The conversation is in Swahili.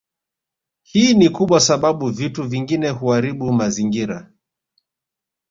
Hii ni kwa sababu vitu vingine huaribu mazingira